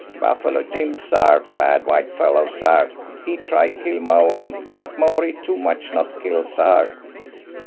"Buff'lo Jim, sar, bad white fellow, sar he try kill Maori, but Maori too much not kill, sar.